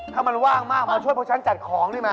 ถ้ามันว่างมากมาช่วยพวกฉันจัดของนี่มา